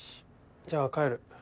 じゃあ帰る。